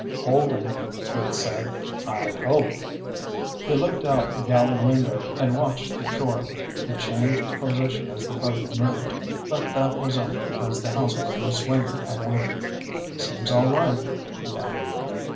"Holding," Rick said. "I hope." He looked out the galley window and watched the shore. It changed position as the boat moved, but that was only because the houseboat was swinging at anchor. "Seems all right," he added.